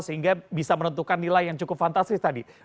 sehingga bisa menentukan nilai yang cukup fantastis tadi